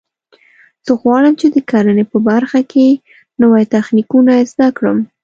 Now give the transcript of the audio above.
زه غواړم چې د کرنې په برخه کې نوي تخنیکونه زده کړم